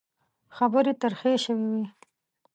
خبرې ترخې شوې وې.